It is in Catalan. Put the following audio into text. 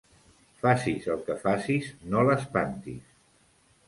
Facis el que facis, no l'espantis.